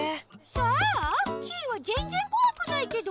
そう？キイはぜんぜんこわくないけど。